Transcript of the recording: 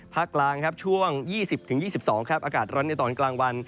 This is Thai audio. กลางครับช่วง๒๐๒๒อากาศร้อนในตอนกลางวัน